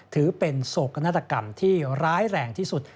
ถือเป็นโศกนาฏกรรมที่ร้ายแรงที่สุด